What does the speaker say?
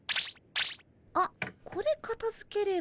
あっこれかたづければ。